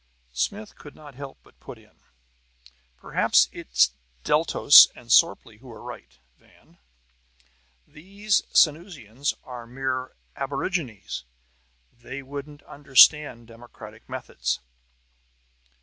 Smith could not help but put in: "Perhaps it's Deltas and Sorplee who are right, Van. These Sanusians are mere aborigines. They wouldn't understand democratic methods."